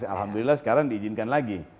alhamdulillah sekarang diizinkan lagi